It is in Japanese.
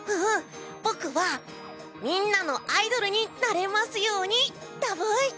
僕はみんなのアイドルになれますようにだブイ！